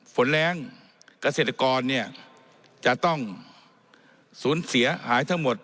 แรงเกษตรกรเนี่ยจะต้องสูญเสียหายทั้งหมด